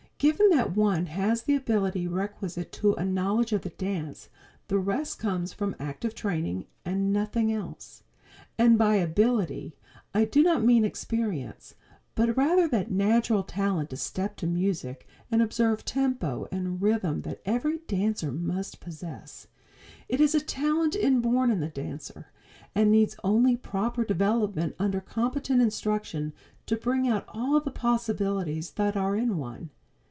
Given that one has the ability requisite to a knowledge of the dance, the rest comes from active training, and nothing else. And by "ability" I do not mean experience, but rather that natural talent to step to music and observe tempo and rhythm that every dancer must possess. It is a talent inborn in the dancer, and needs only proper development under competent instruction to bring out all the possibilities that are in one.